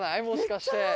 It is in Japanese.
もしかして。